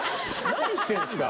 何してるんですか？